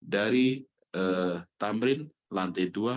dari tamrin lantai dua